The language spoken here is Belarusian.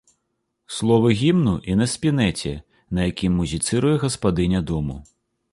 Словы гімну і на спінэце, на якім музіцыруе гаспадыня дому.